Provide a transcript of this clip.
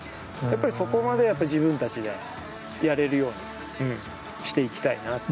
そこまで自分たちでやれるようにしていきたいなって。